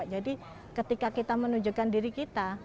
jadi ketika kita menunjukkan diri kita